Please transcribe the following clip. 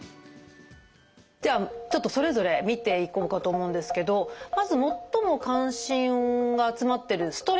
ではちょっとそれぞれ見ていこうかと思うんですけどまず最も関心が集まってる「ストレッチ」見ていきましょうか。